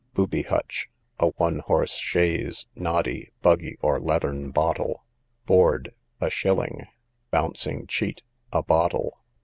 Booby hutch, a one horse chaise, noddy, buggy, or leathern bottle. Borde, a shilling. Bouncing cheat, a bottle.